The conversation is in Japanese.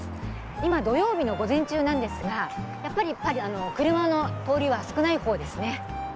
今、土曜日の午前中なんですがやっぱり車の通りは少ない方ですね。